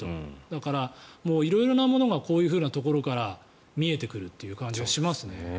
だから、色々なものがこういうところから見えてくるという感じがしますね。